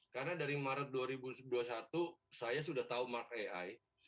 karena dari maret dua ribu dua puluh satu saya sudah tahu mark ai